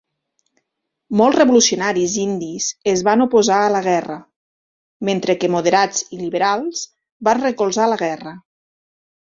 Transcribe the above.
Molts revolucionaris indis es van oposar a la guerra, mentre que moderats i liberals van recolzar la guerra.